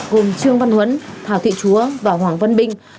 gồm trương văn huấn thảo thị chúa và hoàng văn bình